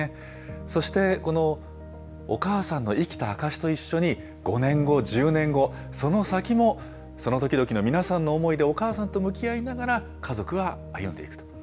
そして、このお母さんの生きた証しと一緒に、５年後、１０年後、その先も、その時々の皆さんの思いでお母さんと向き合いながら家族は歩んでいくと。